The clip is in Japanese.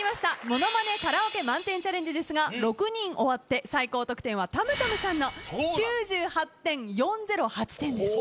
ものまねカラオケ１００点チャレンジですが６人終わって最高得点はたむたむさんの９８．４０８点です。